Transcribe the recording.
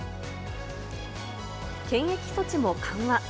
検疫措置も緩和。